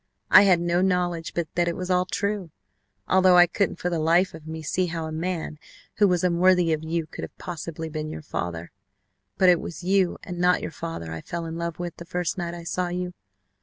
I had no knowledge but that it was all true, although I couldn't for the life of me see how a man who was unworthy of you could have possibly been your father; but it was you, and not your father, I fell in love with the first night I saw you.